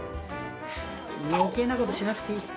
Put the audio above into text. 余計なことしなくていい！